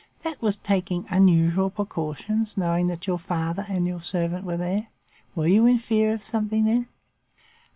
That was taking unusual precautions, knowing that your father and your servant were there? Were you in fear of something, then?